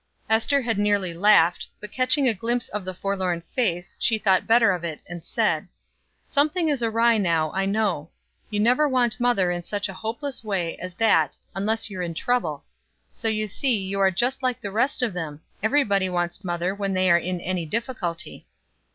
Ester had nearly laughed, but catching a glimpse of the forlorn face, she thought better of it, and said: "Something is awry now, I know. You never want mother in such a hopeless way as that unless you're in trouble; so you see you are just like the rest of them, every body wants mother when they are in any difficulty."